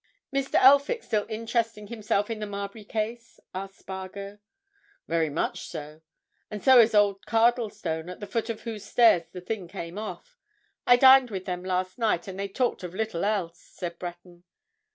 "Mr. Elphick still interesting himself in the Marbury case?" asked Spargo. "Very much so. And so is old Cardlestone, at the foot of whose stairs the thing came off. I dined with them last night and they talked of little else," said Breton.